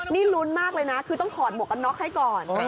นี่ลุ้นมากเลยนะคือต้องถอดหมวกกันน็อกให้ก่อน